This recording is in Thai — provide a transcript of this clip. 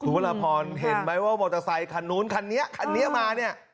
พระราพรเห็นไหมว่ามอเตอร์ไซคันนู้นคันนี้คันนี้มาเนี่ย